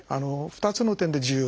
２つの点で重要です。